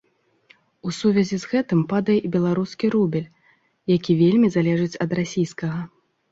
У сувязі з гэтым падае і беларускі рубель, які вельмі залежыць ад расійскага.